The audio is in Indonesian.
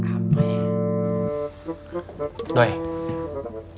udah pernah coba ya kum